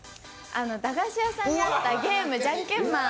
駄菓子屋さんにあったゲーム「ジャンケンマン」。